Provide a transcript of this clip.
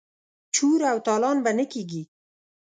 چور او تالان به نه کیږي.